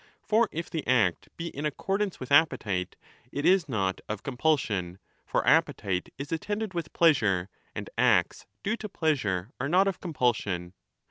For if the act be in accordance with appetite, it is not of compulsion ; for appetite is attended with pleasure, and acts due to pleasure are not of compulsion.